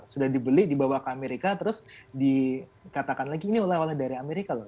sudah dibeli dibawa ke amerika terus dikatakan lagi ini oleh oleh dari amerika loh